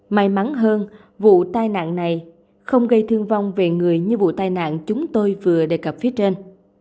may mắn hơn vụ tai nạn này không gây thương vong về người như vụ tai nạn chúng tôi vừa đề cập phía trên